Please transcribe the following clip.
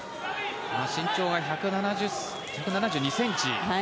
身長が１７２ｃｍ。